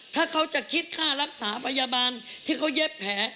ถ้าเขาจะคิดค่ารักษาพยาบาลที่เขาเย็บแผล